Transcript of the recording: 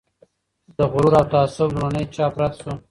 د "غرور او تعصب" لومړنی چاپ رد شو.